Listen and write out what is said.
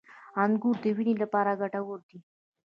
• انګور د وینې لپاره ګټور دي.